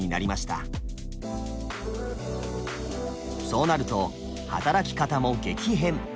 そうなると働き方も激変。